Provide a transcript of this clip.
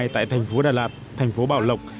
tại thành phố đà lạt thành phố bảo lộc